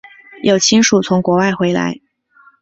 有亲属从国外回来